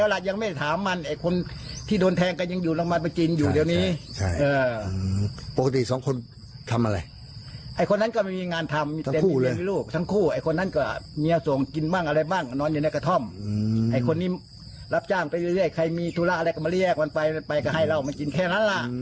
รับจ้างไปเรื่อยใครมีธุระอะไรก็มาเรียกมันไปก็ให้เรามันจริงแค่นั้นล่ะ